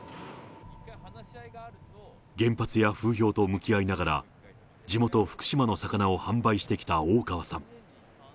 原発や風評と向き合いながら、地元、福島の魚を販売してきた大川さん。